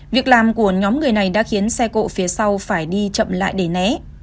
việc làm của nhóm người này đã khiến xe cộ phía sau phải đi chậm lại để né